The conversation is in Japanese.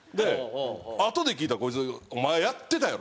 あとで聞いたらこいつ「お前やってたやろ？」